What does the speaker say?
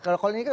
kalau ini kan